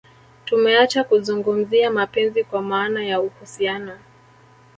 Tumeacha kuzungumzia mapenzi kwa maana ya uhusiano